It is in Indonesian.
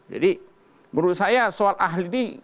jadi menurut saya soal ahli ini